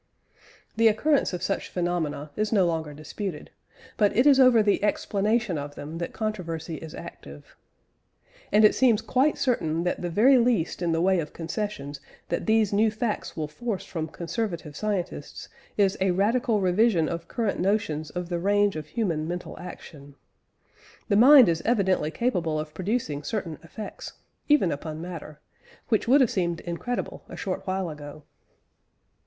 The occurrence of such phenomena is no longer disputed; but it is over the explanation of them that controversy is active. And it seems quite certain that the very least in the way of concessions that these new facts will force from conservative scientists is a radical revision of current notions of the range of human mental action. The mind is evidently capable of producing certain effects even upon matter which would have seemed incredible a short while ago.